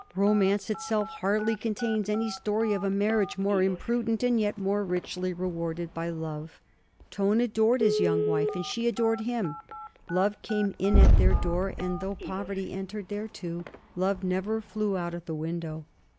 Romance itself hardly contains any story of a marriage more imprudent and yet more richly rewarded by love. Tone adored his young wife and she adored him. Love came in at their door and, though poverty entered there too, love never flew out at the window.